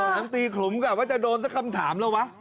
ยังตีขลุมกลับว่าจะโดนสักคำถามแล้ววะ